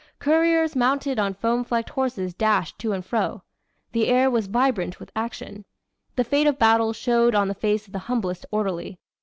Couriers mounted on foam flecked horses dashed to and fro. The air was vibrant with action; the fate of battle showed on the face of the humblest orderly.